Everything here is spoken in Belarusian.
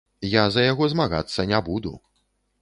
Я за яго змагацца не буду.